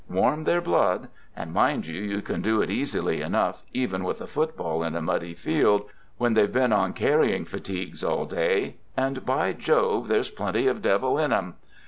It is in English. Warm their blood — and, mind you, you can do it easily enough, even with a football in a muddy field, when they've been on carrying fatigues all day — and, by Jove! there's plenty of devil in 'em.